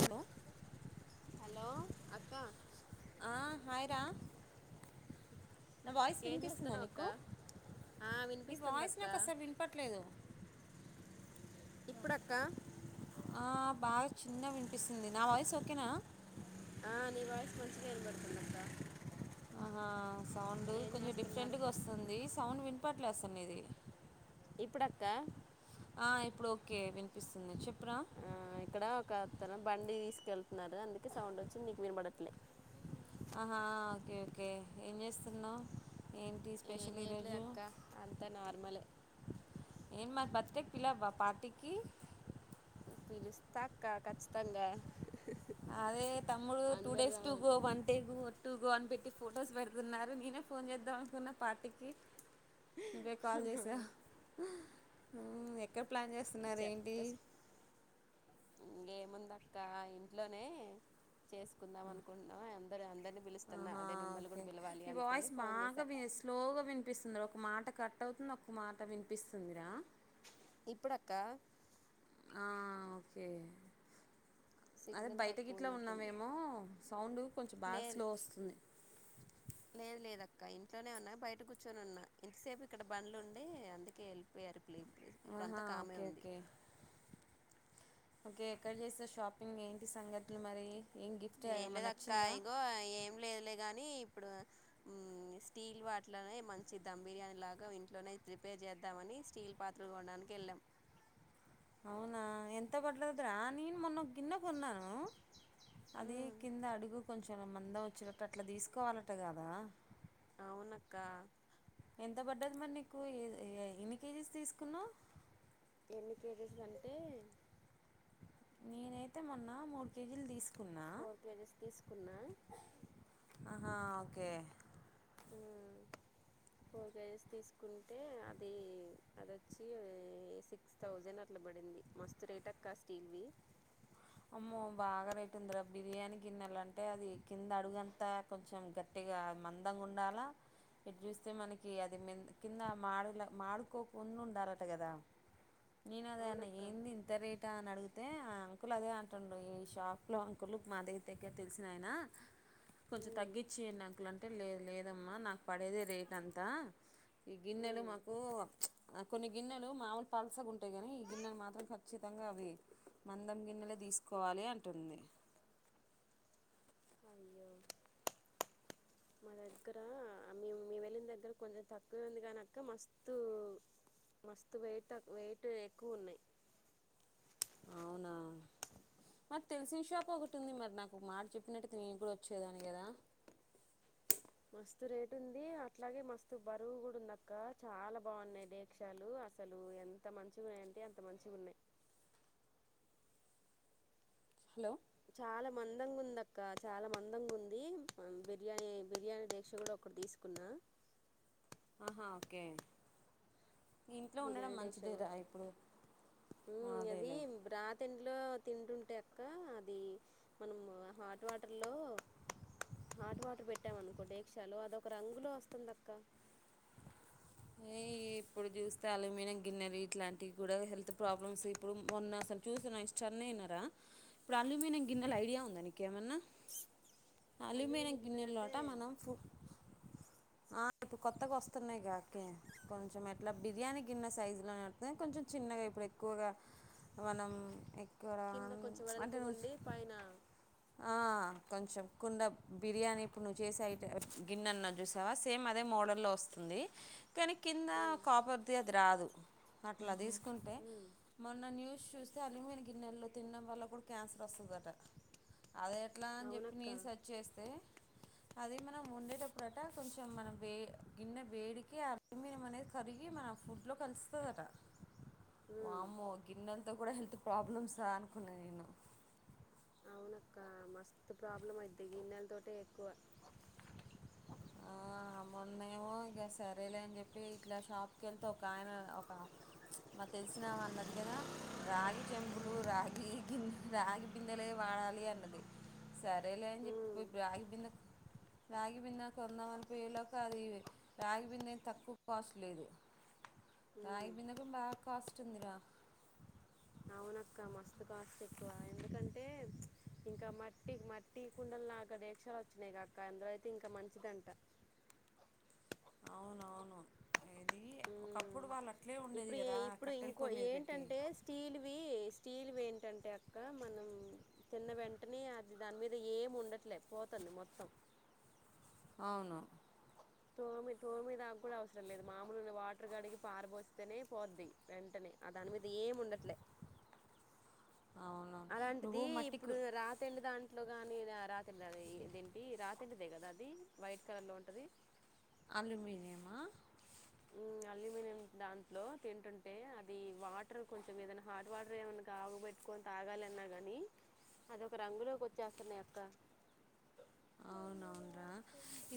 Hello hello అక్క ఆ hi రా నా వాయిస్ ఏం వినిపిస్తుందా చేస్తున్నావు అక్క నీకు ఆ నీ వినిపిస్తుంది వాయిస్ అక్క నాకు అసలు వినపట్లేదు ఇప్పుడక్క ఆ బాగా చిన్నగ వినిపిస్తుంది నా వాయిసు ఓకేనా ఆ నీ వాయిస్ మంచినే వినబడుతుంది అక్క ఆ సౌండు ఏం కొంచెం చేస్తున్నారు డిఫరెంట్గా వస్తుంది సౌండ్ వినపట్లే అసలు నీది ఇప్పుడ అక్క ఆ ఇప్పుడు ఓకే వినిపిస్తుంది చుప్ ఆ ఇక్కడ ఒక తన బండి తీసుకెళ్తున్నరు అందుకే సౌండ్ వచ్చింది నీకు వినబడట్లే ఆహా ఓకే ఓకే ఏం చేస్తున్నవ్ ఏంటి ఏం స్పెషల్ చేయట్లేదు ఈరోజు అక్క అంతా నార్మలే ఏం మరి బర్త్డే పిల్లవవా పార్టీకి పిలుస్త అక్క ఖచ్చితంగా అదే తమ్ముడు టూ అందరు డేస్ టూ గో రావాలి వన్ డే టూ గో అని పె ట్ ఫొటోస్ పెడుతున్నారు నేనే ఫోన్ చేద్దాం అనుకున్న పార్టీకి నువ్వే కాల్ చేసావ్ ఏ ఎక్కడ ప్లాన్ చేస్తున్నారు ఏంటి ఏముంది అక్క ఇంట్లోనే చేసుకుందాం అనుకుంటున్నాం అందరు అందరిని పిలుస్తున్నా ఆహా అదే మిమ్మల్ని ఓకే కూడా పిలవాలి నీ అనుకొని వాయిస్ ఫోన్ చేసా బాగా స్లోగ వినిపిస్తుంది రా ఒక మాట కట్ అవుతుంది ఒక మాట వినిపిస్తుందిరా ఇప్పుడ అక్క ఆ ఓకే అదే సిగ్నల్ తక్కువ బయటగిట్ల ఉన్నట్టుంది ఉన్నామేమో సౌండ్ కొంచెం బాగా లే స్లో వస్తుంది. లేదు లేదు. క్క ఇంట్లోనే ఉన్నాయి బయట కూర్చొని ఉన్నా ఇంతసేపు ఇక్కడ బండ్లు ఉండి అందుకే వెళ్ళిపోయారు. ఇప్పుడు ఇప్పుడు ఇప్పుడంతా ఆహా కామే ఓకే ఉంది ఓకే ఓకే ఎక్కడ చేస్తారు షాపింగ్ ఏంటి సంగతులు మరే ఏం లేదక్క ఇగో ఏం లేదులే గాని ఇప్పుడు స్టీల్ వాట్లనే మంచి ధమ్ బిర్యానీ లాగా ఇంట్లోనే ప్రిపేర్ జేద్దామని స్టీల్ పాత్రలు కొ గెళ్ళం అవునా ఎంత పట్లదిరా నేను మొన్న గిన్నె కొన్నాను. అది కింద అడుగు కొంచెం మందం ఓచ్చేటట్టు అట్లా దిస్కోవాలట గదా. అవునక్కా ఎంత బడ్డది మరి నీకు ఎన్ని కేజీస్ తీస్కున్నావు. ఎన్ని కేజిసంటే నేనైతే మొన్న మూడు కేజీలు థిస్ ఫోర్ కేజీస్ తీస్కున్న ఆహా ఓకే ఆ వో ఫోన్ ఫే జేషి తీస్కుంటే అది అదొచ్చి సిక్స్ థౌసేండ్ అట్లా బడింది. మస్తు రేటక్క స్టీల్వి అమ్మో బాగా రేటుందిరా బిర్యానీ గిన్నెలంటే అది కింద అడుగంతా కొంచెం గట్టే ఇగా మందంగూండాలా ఇటు జుస్తే మనకి అది కింద మాడు మాడుకోకుండా ఉండాలట గదా. నేన్ అదే అన్న అవునక్క ఏంది ఇంత రేటా అని అడిగితే అం కుల్ అదే అంటుండు ఈ షాప్లో అంకులు మా దేగ్గ దగ్గర తెల్సినయినా కొంచెం ఉమ్ తగ్గించియాడాంకుల్ అంటే లేద్ లేదమ్మా నాకు పడేదె రేటంతా ఈ గిన్నెలు ఉమ్ మాకూ ఆ కొన్ని గిన్నెలు మావుల్ పల్సగుంటాయి గని ఈ గిన్నెలు మాత్రం ఖచ్చితంగా అవి మం దం గిన్నెలే దిస్కోవాలి అంటుంది అయ్యో మా దగ్గర మేము మేమ్ ఏళ్ళిదగ్గర కొంజెం తక్కువే ఉంది గనిక్క మస్తు మస్తుత్ వెయిట్ త వెయిట్ ఎక్కువున్నాయి. అవునా మరి తెల్సిన షాప్ ఒకటి ఉంది మరి నాగో మాట జెప్పినటైతే నేను గూడా ఓచ్చేదాని గదా మస్తు రేటుంది అట్లాగే మస్తు బరువు గూడ ఉందక్క చాలా బాగున్నాయి డేక్షాలు అసలు ఎంత మంచిగున్నాయంటే అంత మంచిగున్నాయి. హలో చాలా మందంగుంది అక్క చాలా మందంగుంది అ బిర్యానీ బిర్యానీ డేక్ష గోడా ఒక దిస్కున్న ఆహా ఓకే ఇంట్లో ఉండడం బిర్యానీ డేక్షో మంచిదేరా ఇప్పుడు గూడ అది అదేలే బ్రాతేండిలో తింటుంటే అక్క అది మనం హాట్ వాటర్ లో హాట్ వాటర్ బేట్టాం అనుకో డేక్షలో అదొక రంగులో ఓస్తుందక్క ఈప్పుడు జుస్తే అలుమిన గిన్నె ఇట్లాంటివి గూడా హెల్త్ ప్రాబ్లమ్స్ ఇప్పుడు మొన్న అసలు చూసిన ఇంస్టా అయినారా ఇప్పుడు అల్యూమినియం గిన్నెల్ ఐడియా ఉందా నీకేమన్నా అల్యూమినియం గిన్నెలు గిన్నెలో అంటే ఆట మనం ఫూ ఆ ఇప్పుడు కొత్తగా ఓస్తున్నాయిగా ఓకే కొంచెం ఎట్లా బిర్యానీ గిన్నె సైసులో కొంచెం చిన్నగా ఇప్పుడు ఎక్కువగా వనం ఎక్కడ కింద కొంచెం అంటే నువ్ వెడల్పుగుండి పైన ఆ కొంచెం కుండ బిర్యానీ ఇప్పుడు నువ్వు చేసే ఐట గిన్నె అన్నవ్ జూసావా సేమ్ అదే మోడల్లో ఓస్తుం ది కానీ కింద ఉమ్, కాపర్ది అది రాదు అట్ల ఓహో దీస్కుంటే ఉమ్, మొన్న న్యూస్ సూష్ తల్యూమిని గిన్నెల్లో తిండం వల్ల గూడా క్యాన్సర్ ఒస్తదట అదేట్లా అన్ జెప్పి అవునక్క నేన్ సెర్చ్ చేస్తే అది మనం వొండేటప్పుడట కొంచెం మనం వే గిన్నె వేడికే ల్యూమినం అనేది కరిగి మన ఫుడ్ లో కలుస్తదట ఉమ్, వామ్మో గిన్నెల్ అంత గూడా హెల్త్ ప్రాబ్లమ్స్ ఆ అనుకున్నా నేను అక్క మస్తు ప్రాబ్లం అయిద్ది గిన్నెలతోటే ఎక్కువ నేమొ ఇంగ సరేలే అంజేప్పి ఇట్లా షాప్కెళ్తే ఒక ఆయన ఒక నాక్ తెలిసినామన్నది గదా రాగి చెంబులు రాగి గిన్నే రాగి బిందెలే వా డాలి అన్నది సరేలే అంజెప్పి ఉమ్, పోయి రాగి బిందె రాగి బింద కొందామని పోయే లోగ అది రాగిబిందేం తక్కువ కాస్ట్ లేదు ఉమ్. రాగిబిందెకి కూడ బాగ కాస్ట్ ఉందిరా అవునక్క మస్తు కాస్ట్ ఎక్కువ ఎందుకంటే ఇంకా మట్టి మట్టి కుండలు నాగదీక్షాలొచ్చినయి గాక్క అందులో అయితే ఇంకా మంచిదంట అవునవును ఇది ఒకప్పుడు మ్మ్ వాళ్ళు అట్లే ఉండేది ఇపుడు కదా ఇపుడు కట్టెల ఇంకో పొయ్యి మీద పెట్టి ఏంటంటే స్టీల్వి స్టీల్వి ఏం టంటే అక్కా మనం తిన్న వెంటనే అది దాని మీద ఏం ఉండట్లే పోతంది మొత్తం అవును తోమి తోమి దాగూడా అవసరం లేదు మామూలుగానే వాటర్ గడిగి పారబోస్తేనే పోద్ది వెంటనే అదానీమీద ఏముండట్లే అవునవును అలాంటిది నువ్వు మట్టికు ఇప్పుడు రాతెండి దాంట్ ట్లో గాని రా రాతెండ్ అది ఏంటి రాతెండిదే గద అది వైట్ కలర్లో ఉంటది అల్యూమిన్యమా అల్యూమినియం దాంట్లో తింటుంటే అది వాటర్ కొంచెం ఏదన్న హాట్ వాటర్ ఏమన్నా కాగబెట్ కొని తాగాలన్న గనీ అదొక రంగులోకొచ్చేస్తున్నయి అక్క అవునవునరా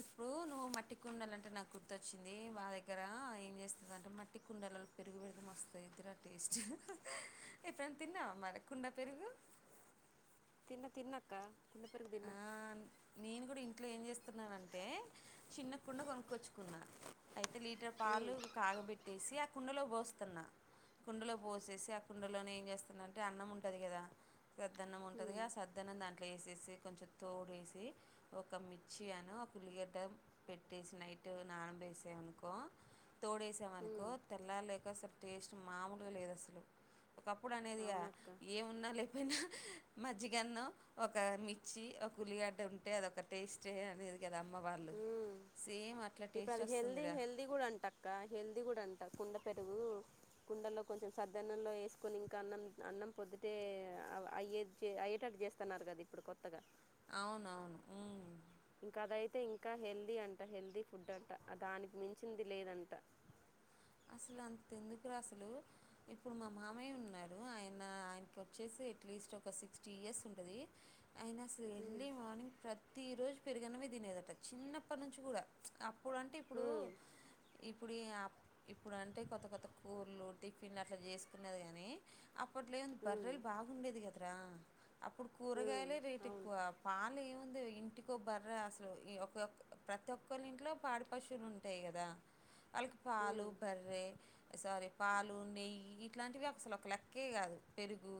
ఇప్పుడు నువ్వు మట్టి కుండలంటే నాక్ గుర్తొచ్చింది మా దగ్గర ఏం జేస్తదంటే మట్టి కుండలలో పెరుగు పెడ్తే మస్తాయిద్ రా టేస్టు ఎప్పుడైనా తిన్నావా మరి కుండా పెరుగు తిన్న తిన్నక్క కుండా పెరుగు తిన్న ఆ నేను గూడా ఇంట్లో ఏం జేస్తున్నానంటే చిన్నకుండా గొనుక్కొచ్చుకున్నా అయితే లీటర్ పాలు కాగబెట్టేసి అ కుండలో బోస్తున్నా కుండలో బోసేసి ఆ కుండలోనే ఏంజేస్తునంటే అన్నం ఉంటది కదా సద్దన్నం ఉంటదిగా ఆ సద్దన్నం దాంట్లో యేసేసి కొంచెం తోడేసి ఒక మిచ్చి అను ఒక ఉల్లిగడ్డ పెట్టేసి నైట్ నాన బేసే అనుకో తోడేసామనుకో తెల్లార్లేక అసల్ టేస్ట్ మామూలుగా లేద్ అసలు ఒకప్పుడు అనేదిగా అవునక్క ఏమున్నా లేపేయినా మజ్జిగన్నం ఒక మిర్చి ఒక ఉల్లిగడ్డ ఉంటే అదొక టేస్టే అనేది కదా అమ్మ వాళ్ళు హు మ్ సేమ్ అట్లా ఇప్పుడు టేస్ట్ అది హెల్దీ వస్తుందిరా హెల్దీ గూడా అంటక్క హెల్దీ గూడా అం ంట కుండ పెరుగు కుండలో కొంచెం సద్దన్నంలో ఏస్కోని ఇంకా అన్నం అన్నం పొద్దుటే ఆ అయ్యేజ్ అయ్యేటట్ జేస్తాన్నారు గదా ఇప్పుడు కొత్తగా అవునవును మ్మ్ ఇంక అదైతే ఇంకా హెల్దీ అంట హెల్దీ ఫుడ్ అంట దానికి మించింది లేదంట అసలు అంత ఎందుకురా అసలు ఇప్పుడు మా మామయ్య ఉన్నాడు ఆయన ఆయనకొచ్చేసి ఎట్లీస్ట్ ఒక సిక్స్టీ ఇయర్స్ ఉంటది అయిన అసలు ఉమ్ ఎర్లీ మార్నింగ్ ప్రతిరోజు పెరుగు అన్నమే తినేదట చిన్నప్పటి నుంచి కూడా అ ఇప్పుడంటే ఇప్పుడు ఉమ్ ఇప్పుడు ఆప్ ఇప్పుడు అంటే కొత్త కొత్త కుర్లు టిఫిన్లు అట్లా చేసుకునేది గని అప్పట్లేంది ఉమ్ బర్రేలు బాగుండేది కదరా అప్పుడు ఉమ్ కూరగాయలే రేట్ అవును ఎక్కువ పాలు ఏముంది ఇంటికో బర్రె అసలు ఈ ఒకక్క ప్రతి ఒక్కాల్లింట్లో పాడి పశువులు ఉంటాయి కదా వాళ్ళకి పాలు ఉమ్ బర్రె సారీ పాలు నెయ్యి ఇట్లాంటివి అసలు ఒక లెక్కే కాదు పెరుగు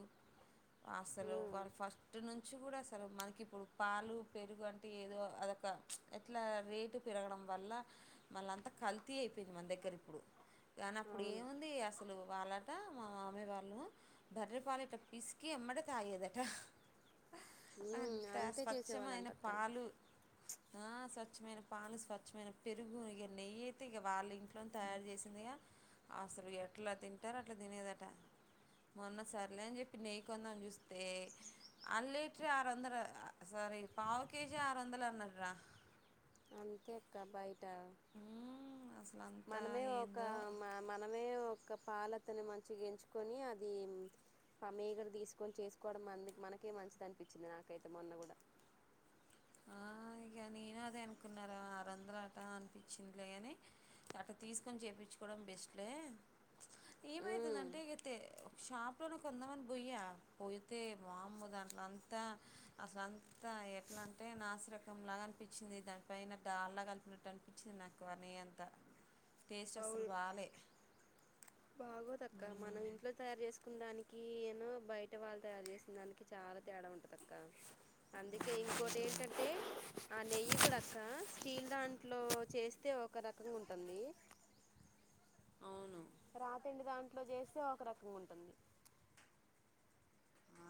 అసలు ఉమ్ వాళ్లు ఫస్ట్ నుంచి కూడా అస అసలు మనకి ఇప్పుడు పాలు పెరుగు అంటే ఏదో అది ఓక ఎట్లా రేటు పెరగడం వల్ల మళ్ళ అంతా కల్తీ అయిపోయింది మన దగ్గర ఇప్పుడు కానీ అప్పుడు అవును ఏముంది అసలు వాళ్ళట మా మామయ్య వాళ్ళ బర్రె పాలు ఇట్ల పీస్కి ఎమ్మడే తాగేదట ఉమ్ అంత అంతే చేసేవాళ్ళంట స్వచ్ఛమైన అక్క పాలు ఆ స్వచ్ఛమైన పాలు స్వచ్ఛమైన పెరుగు ఇగ నెయ్యితే ఇక వాళ్ళ ఇంట్లోనే తయారు చేసి అసలు ఎట్లా తింటారు అట్లా తినేదట మొన్న సర్లే అని చెప్పి నెయ్యి కొందని చూస్తే ఆన్ లీటర్ ఆరు వందలు సారీ పావు కేజీ ఆరు వందలు అన్నర్రా అంతే అక్క బయ్ ట ఉమ్ అసలు అంతా మనమే ఒక ఏందో మనమే ఒ ఒక పాలఅతని మంచిగ ఎంచుకొని అది ప మిగడ తీసుకొని చేసుకోవడం మంది మనకే మంచిది అనిపించింది నాకైతే మొన్న కూడా ఆ ఇగ నేను అదే అనుకున్నారా ఆరు వందలు అట అనిపించిందిలేగాని అట్ట తీసుకొని చేపిచ్చుకోడం బెస్ట్ లే ఎం అయితది అంటే షాప్ లోనే కొందామని బొయ్య పోయితే వామ్మో దాంట్ల అంతా అసలంతా ఎట్లా అం టే నాసిరకం లాగా అనిపించింది దానిపైన డాల్డా కలిపినట్టు అనిపించింది ఆ నెయ్యి అంత టేస్ట్ అస్సల్ బాలే బాగోదు అక్క మనం మ్మ్. ఇంట్లో తయారు చేసుకుందాని కి ఏనో బయట వాళ్ళు తయారు చేసిన దానికి చాలా తేడా ఉంటంది అక్క అందుకే ఇంకోటి ఏంటంటే ఆ నెయ్యి కూడా అక్క స్టీల్ దాంట్లో చేస్తే ఒక రకంగా ఉంటంది అవును రాతెండి దాంట్లో చేస్తే ఒక రకంగుంటంది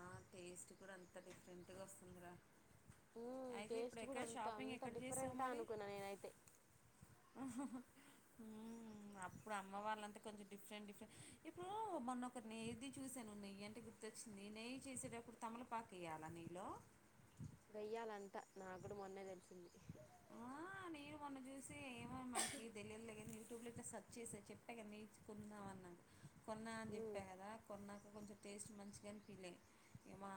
ఆ టేస్ట్ కూడా అంత డిఫరెంట్గా వస్తుంది రా అయితే ఇప్పుడు టేస్ట్ కూడా ఎక్కడ అంత షాపింగ్ అంత ఎక్కడ చేసవ్ డిఫరెంటా మరి అనుకున్నా నేనైతే ఉమ్ అప్పుడు అమ్మ వాళ్ళంతె కొంచెం డిఫరెంట్ డిఫరెంట్ ఇప్పుడు మొన్న ఒకరి నెయ్యిది చూశాను నెయ్యంటే గుర్తొచ్చింది నెయ్యి చేసేటప్పుడు తమలపాకు ఎయ్యాలా నీళ్ళో వెయ్యాలంట నా కూడా మొన్నే తెలిసింది నీరు మొన్న చూసి ఏమో మనకి తెలియద్లేగనీ యూట్యూబ్లట్ సర్చ్ చేసా చెప్పా కద నేర్చుకుందాంమనన్ కొన్నా అని ఉమ్ చెప్పా కదా కొన్నాక కొంచెం టేస్ట్ మంచిగా అనిపియలే మా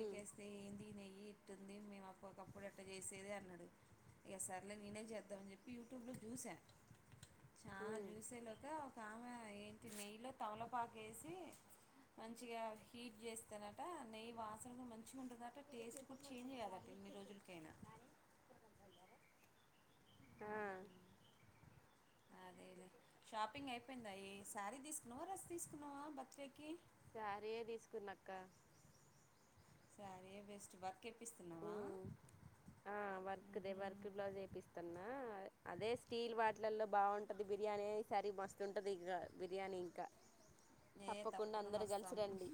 ఉమ్ ఏంది నెయ్యి ఇట్టుంది మేము అప్ప ఒకప్పుడు అట్ట చేసేది అన్నాడు ఇగ సార్లే నేనే చేద్దామని చెప్పి యూట్యూబ్లో చూసా చాలా ఉమ్ చూసేలోక ఒక ఆమె ఏంటి నెయ్యిలో తమలపాకేసి మంచిగా హీట్ చేస్తానట నెయ్యి వాసనా మం. మంచిగుంటదట టేస్ట్ కూడా చేంజ్ కాదట ఎన్ని రోజులకైనా. ఆహ్. అదేలే షాపింగ్ అయిపోయిందా ఈ సారీ తీసుకున్నావా డ్రెస్ తీసుకున్నావా బర్త్డేకి. సారీ ఏ తీసుకున్నా అక్క. సారీ ఏ బెస్ట్ బ. ఉమ్ ఆహ్ వర్క దే వర్క్ బ్లౌజ్ ఏపిస్తన్నా. అదే స్టీల్ వాటిలల్లో బావుంటాది బిర్యానీ ఈ సారి మస్తు ఉంటది ఇంగ బిర్యానీ ఇంకా. ఏ తప్పకుండా అందరు కలిసి వస్తాం రండి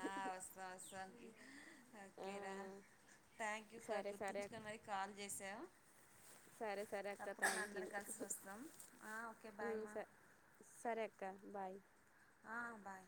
ఆహ్ వస్తాం వస్తాం తీ. ఆ ఓకే రా థాంక్యూ సరే సరే గుర్తుంచుకొని అక్క మరి కాల్ చేసావ్. సరే సరే అక్క తప్పకుండా థ్యాంక్ అందర యూ కలిసి వస్తాం ఆహ్ ఓకే బాయ్ ఉమ్ మా. స సరే అక్క బాయ్. ఆహ్ బాయ్.